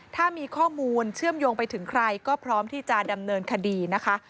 ถ้ามีข้อมูลเชื่อมโยงไปถึงใครก็พร้อมที่จะดำเนินคดีนะคะ